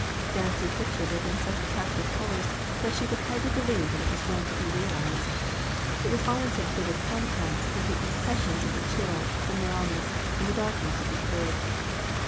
Fancy pictured it in such attractive colors, that she could hardly believe that it was going to be real ized : it was all in such vivid contrast with the impression of the chill, the narrowness, and darkness of the carriage.